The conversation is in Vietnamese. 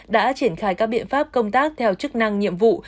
đã triển khai các biện pháp công tác theo chức năng nhiệm vụ